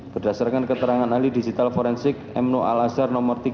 berdasarkan keterangan alih digital forensik m no a lazar nomor dua lima